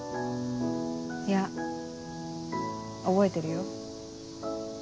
いや覚えてるよ。